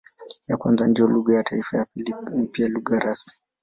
Ya kwanza ndiyo lugha ya taifa, ya pili ni pia lugha rasmi.